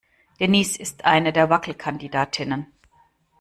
Denise ist eine der Wackelkandidatinnen.